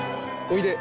おいで。